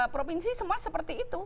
provinsi semua seperti itu